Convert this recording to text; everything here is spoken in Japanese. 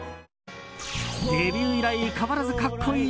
デビュー以来変わらず格好いい